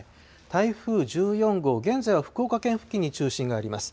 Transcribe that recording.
台風１４号、現在は福岡県付近に中心があります。